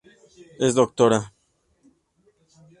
Es Dra.